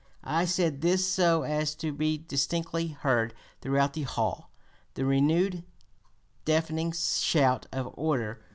I said this so as to be distinctly heard throughout the hall, the renewed deafening shout of 'order!